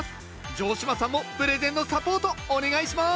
城島さんもプレゼンのサポートお願いします！